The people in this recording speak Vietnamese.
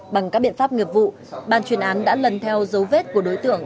bằng các biện pháp nghiệp vụ ban chuyên án đã lần theo dấu vết của đối tượng